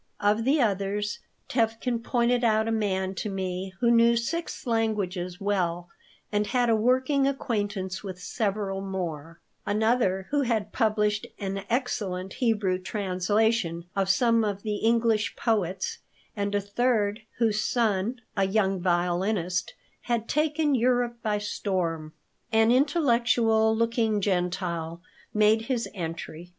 Of the others Tevkin pointed out a man to me who knew six languages well and had a working acquaintance with several more; another who had published an excellent Hebrew translation of some of the English poets, and a third whose son, a young violinist, "had taken Europe by storm." An intellectual looking Gentile made his entry.